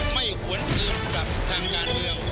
ไม่หวนอื่นกับทางด้านเดียว